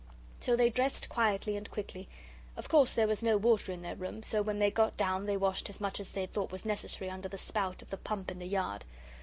So they dressed quietly and quickly. Of course, there was no water in their room, so when they got down they washed as much as they thought was necessary under the spout of the pump in the yard.